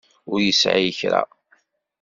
Ur yesɛi kra.